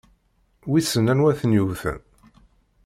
Wissen anwa i ten-yewwten?